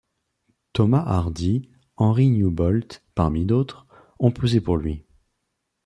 Thomas Hardy, Henry Newbolt, parmi d'autres, ont posé pour lui.